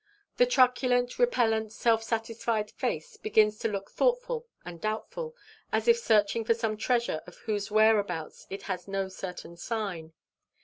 The truculent, repellent, self satisfied face begins to look thoughtful and doubtful, as if searching for some treasure of whose whereabouts it had no certain sign.